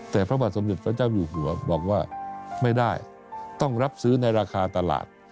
แต่พระบาทสมเด็จพระเจ้าอยู่หัวบอกว่าไม่ได้ต้องรับซื้อในราคาตลาด